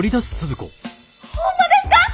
ホンマですか！？